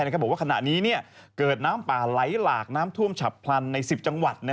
บอกว่าขณะนี้เกิดน้ำป่าไหลหลากน้ำท่วมฉับพลันใน๑๐จังหวัด